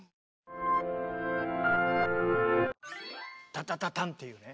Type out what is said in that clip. タタタタンっていうね